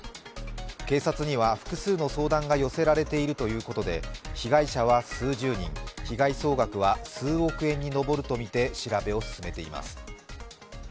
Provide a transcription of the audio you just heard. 警察には複数の相談が寄せられているということで被害者は数十人、被害総額は数億円に上るとみて調べを進めています。